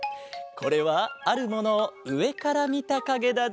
これはあるものをうえからみたかげだぞ。